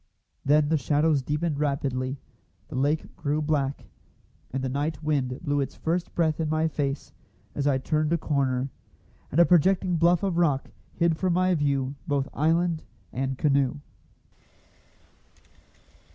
Then the shadows deepened rapidly; the lake grew black, and the night wind blew its first breath in my face as I turned a corner, and a projecting bluff of rock hid from my view both island and canoe.